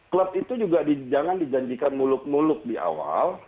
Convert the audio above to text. klub itu juga jangan dijanjikan muluk muluk di awal